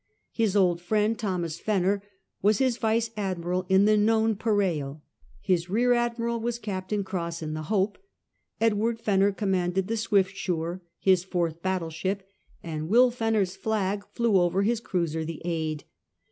His old friend, Thomas Fenner, was his vice admiral in the Nonpareil. His rear admiral was Captain Cross in the Hope, Edward Fen ner commanded the Swiftsure, his fourth battle ship ; and Will Fenner's flag flew over his cruiser the Aid.